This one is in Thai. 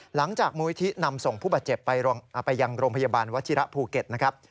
มูลนิธินำส่งผู้บาดเจ็บไปยังโรงพยาบาลวัชิระภูเก็ตนะครับ